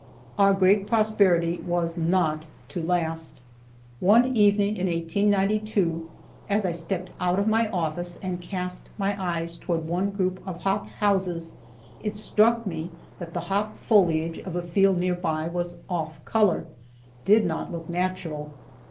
Our great prosperity was not to last. One evening in 1892, as I stepped out of my office and cast my eyes toward one group of hop houses, it struck me that the hop foliage of a field near by was off color did not look natural.